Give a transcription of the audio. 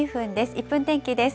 １分天気です。